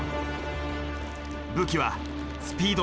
武器はスピードだ。